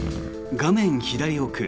画面左奥